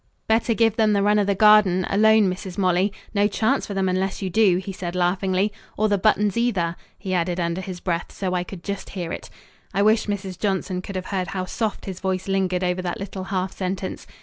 "Better give them the run of the garden alone, Mrs. Molly. No chance for them unless you do," he said laughingly, "or the buttons, either," he added under his breath so I could just hear it. I wish Mrs. Johnson could have heard how soft his voice lingered over that little half sentence.